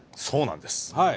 そうなんです。